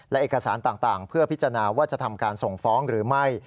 และเอกสารต่างเพื่อพิจารณาว่าจะทำการส่งฟ้องหรือไม่